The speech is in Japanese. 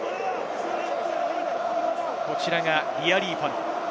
こちらがリアリーファノ。